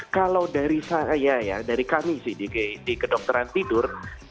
kalau dari saya ya dari kami sih di kedokteran tidur